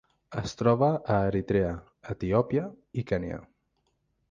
Es troba a Eritrea, Etiòpia i Kenya.